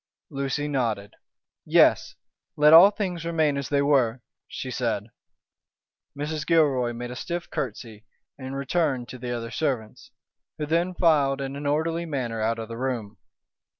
Lucy nodded. "Yes! let all things remain as they were," she said. Mrs. Gilroy made a stiff curtsey and returned to the other servants, who then filed in an orderly manner out of the room.